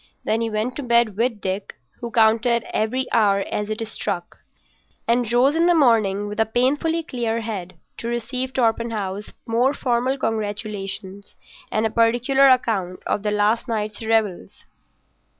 Then he went to bed with Dick, who counted every hour as it struck, and rose in the morning with a painfully clear head to receive Torpenhow's more formal congratulations and a particular account of the last night's revels.